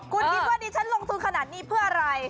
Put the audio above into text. คุณคิดว่าดิฉันลงทุนขนาดนี้เพื่ออะไร